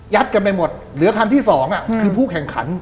ยัดกันไปหมดเหลือกล้างที่๒คือผู้แข่งขัน